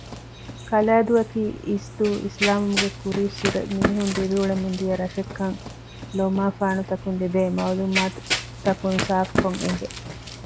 ކަލައިދޫއަކީ އިސްދޫ އިސްލާމްވުމުގެ ކުރީއްސުރެ މީހުން ދިރިއުޅެމުންދިޔަ ރަށެއްކަން ލޯމާފާނުތަކުން ލިބޭ މަޢުލޫމާތުތަކުން ސާފުކޮށް އެނގެ